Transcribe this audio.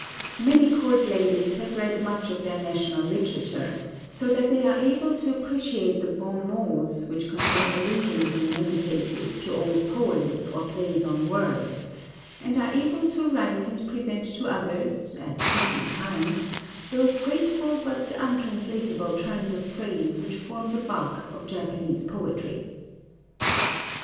Many court ladies have read much of their national literature, so that they are able to appreciate the bonmots which contain allusions in many cases to old poems, or plays on words; and are able to write and present to others, at fitting times, those graceful but untranslatable turns of phrase which form the bulk of Japanese poetry.